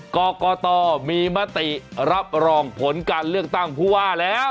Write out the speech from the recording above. กรกตมีมติรับรองผลการเลือกตั้งผู้ว่าแล้ว